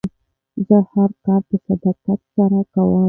زه هر کار په صداقت سره کوم.